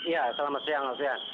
ya selamat siang